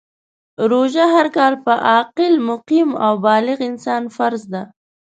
روژه هر کال په عاقل ، مقیم او بالغ انسان فرض ده .